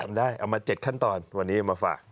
ทำได้เอามา๗ขั้นตอนวันนี้มาฝาก